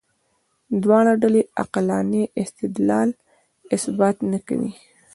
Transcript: دواړه ډلې عقلاني استدلال اثبات نه کوي.